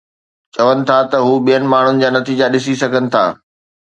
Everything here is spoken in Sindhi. چون ٿا ته هو ٻين ماڻهن جا نتيجا ڏسي سگهن ٿا